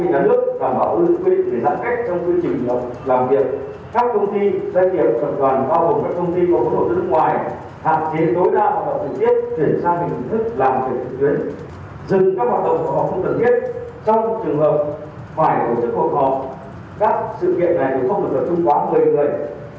hoài hỗ trợ cuộc họp các sự kiện này cũng không được được trung quán với người